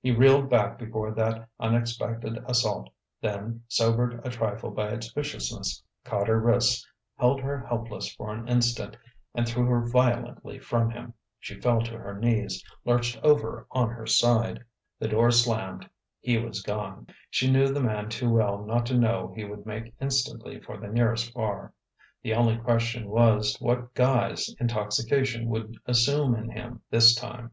He reeled back before that unexpected assault, then, sobered a trifle by its viciousness, caught her wrists, held her helpless for an instant, and threw her violently from him. She fell to her knees, lurched over on her side.... The door slammed: he was gone. [Illustration: The door slammed. He was gone.] She knew the man too well not to know he would make instantly for the nearest bar; the only question was what guise intoxication would assume in him, this time.